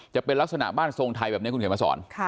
จะเป็นลักษณะบ้านทรงไทยแบบนี้คุณเขียนมาสอน